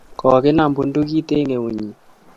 kokinam bundukit eng' eunyin